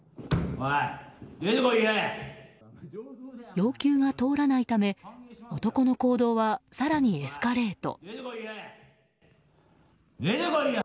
要求が通らないため男の行動は更にエスカレート。